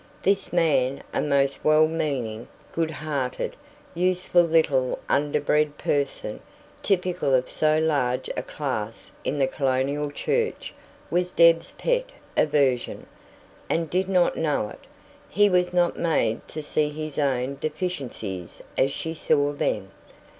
This man a most well meaning, good hearted, useful little underbred person, typical of so large a class in the Colonial Church was Deb's pet aversion, and did not know it. He was not made to see his own deficiencies as she saw them.